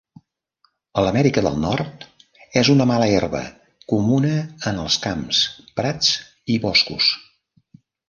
A l'Amèrica del Nord és una mala herba comuna en els camps, prats i boscos.